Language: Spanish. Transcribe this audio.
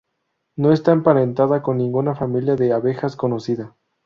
No está emparentada con ninguna familia de abejas conocida.